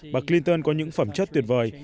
bà clinton có những phẩm chất tuyệt vời